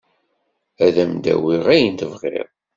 Ad m-d-awiɣ ayen tebɣiḍ.